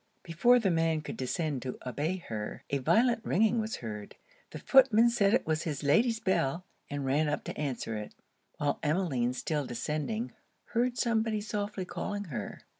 Before the man could descend to obey her, a violent ringing was heard. The footman said it was his Lady's bell, and ran up to answer it; while Emmeline still descending, heard somebody softly calling her.